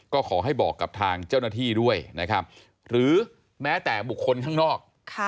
ก็ขอให้บอกกับทางเจ้าหน้าที่ด้วยนะครับหรือแม้แต่บุคคลข้างนอก